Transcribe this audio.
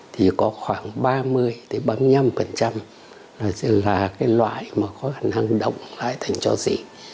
thì có khoảng ba mươi ba mươi năm là loại có khả năng động lại thành cho xỉ